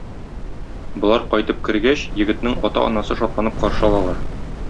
Болар кайтып кергәч, егетнең ата-анасы шатланып каршы алалар.